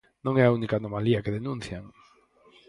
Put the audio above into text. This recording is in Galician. Non é a única anomalía que denuncian.